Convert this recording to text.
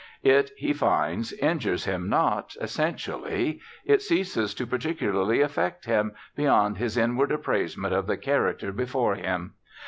It (he finds) injures him not, essentially; it ceases to particularly affect him, beyond his inward appraisement of the character before him.